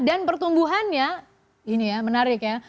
dan pertumbuhannya ini ya menarik ya